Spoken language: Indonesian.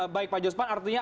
baik pak jospan artinya